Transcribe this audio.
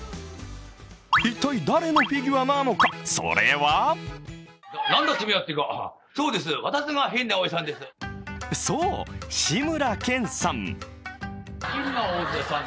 一体誰のフィギュアなのか、それはそう、志村けんさん。